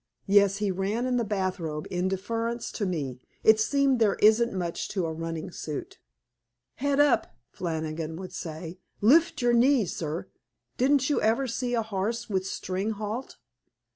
Yes, he ran in the bath robe in deference to me. It seems there isn't much to a running suit. "Head up," Flannigan would say. "Lift your knees, sir. Didn't you ever see a horse with string halt?"